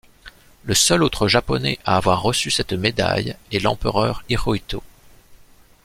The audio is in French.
Le seul autre Japonais à avoir reçu cette médaille est l'empereur Hirohito.